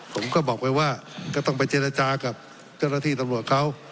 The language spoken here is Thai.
ผมก็บอกไปว่าก็ต้องไปเจรจากับเจ้าหน้าที่ตำรวจเขา